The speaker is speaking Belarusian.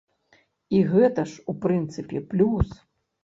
І гэта ж, у прынцыпе, плюс!